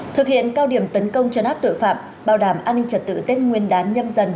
thực hiện cao điểm tấn công chấn áp tội phạm bảo đảm an ninh trật tự tết nguyên đán nhâm dần